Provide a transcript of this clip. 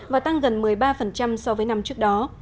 và tăng gần một mươi ba so với năm trước đó